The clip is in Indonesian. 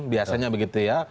biasanya begitu ya